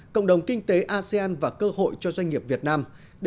cộng đồng kinh tế asean và cơ hội cho doanh nghiệp việt nam